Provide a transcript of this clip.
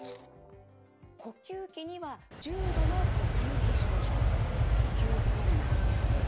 呼吸器には重度の呼吸器症状呼吸困難ぜんめい。